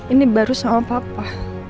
ini baru sama papa